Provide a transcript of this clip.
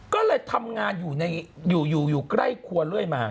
ก็เลยทำงานอยู่ใกล้ครัวเลยมา